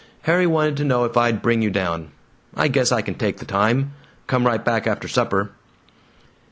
Harry wanted to know if I'd bring you down. I guess I can take the time come right back after supper."